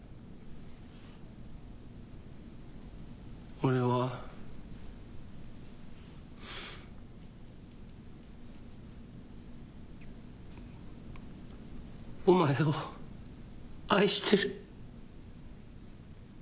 俺はお前を愛してる。